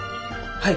はい。